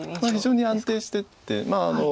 非常に安定してて。